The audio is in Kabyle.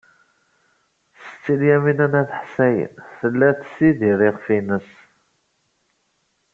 Setti Lyamina n At Ḥsayen tella tessidir iɣef-nnes.